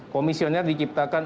komisioner di ciptakan